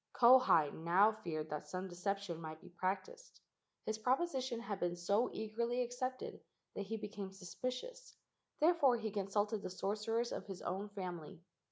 Kauhi now feared that some deception might be practised. His proposition had been so eagerly accepted that he became suspicious; therefore he consulted the sorcerers of his own family.